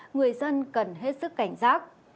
người dân cần hết sức cảnh giác